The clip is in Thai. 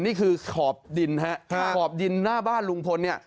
นี่คือขอบดินฮะขอบดินหน้าบ้านลุงพลเนี่ย